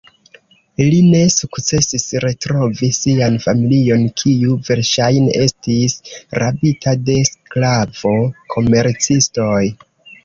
Li ne sukcesis retrovi sian familion, kiu verŝajne estis rabita de sklavo-komercistoj.